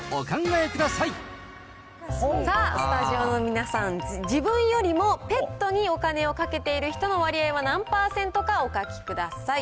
さあ、スタジオの皆さん、自分よりもペットにお金をかけている人の割合は何％か、お書きください。